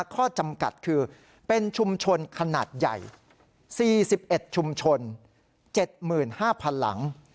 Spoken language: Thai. ข้อจำกัดคือเป็นชุมชนขนาดใหญ่๔๑ชุมชน๗๕๐๐๐หลัง